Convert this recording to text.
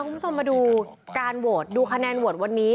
คุณผู้ชมมาดูการโหวตดูคะแนนโหวตวันนี้